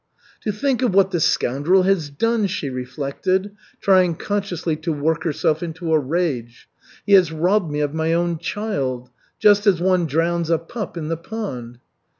"To think of what the scoundrel has done!" she reflected, trying consciously to work herself into a rage. "He has robbed me of my own child. Just as one drowns a pup in the pond."